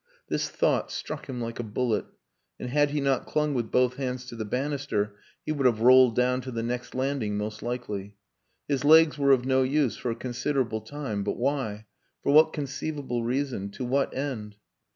This thought struck him like a bullet, and had he not clung with both hands to the banister he would have rolled down to the next landing most likely. His legs were of no use for a considerable time.... But why? For what conceivable reason? To what end?